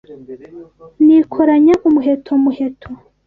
Nikoranya umuheto Muheto